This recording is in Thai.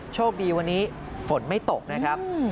โชคดีวันนี้ฝนไม่ตกนะครับ